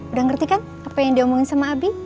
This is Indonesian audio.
udah ngerti kan apa yang diomongin sama abi